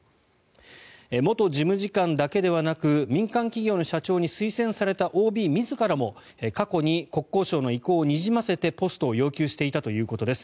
元事務次官だけではなく民間企業の社長に推薦されたＯＢ自らも過去に国交省の意向をにじませてポストを要求していたということです。